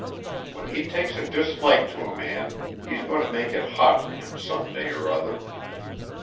When he takes a dislike to a man he's going to make it hot for him some day or other.